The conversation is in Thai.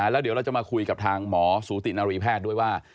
แล้วเดี๋ยวเราจะมาคุยกับทางหมอสูตินารีแพทย์ด้วยว่า